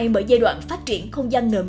mở giai đoạn phát triển không gian ngầm